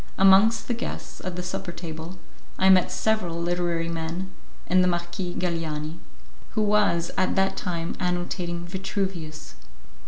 Amongst the guests at the supper table I met several literary men, and the Marquis Galiani, who was at that time annotating Vitruvius.